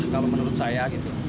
kalau menurut saya